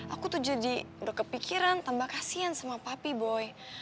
aku tuh jadi berkepikiran tambah kasihan sama papi boy